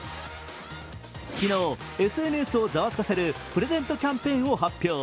昨日、ＳＮＳをざわつかせるプレゼントキャンペーンを発表。